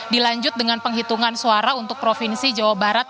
dilanjut dengan penghitungan suara untuk provinsi jawa barat